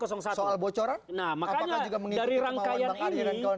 soal bocoran apakah juga mengikuti kemauan bang arya dan kawan